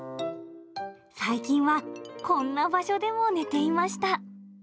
最近はこんな場所でも寝ていました。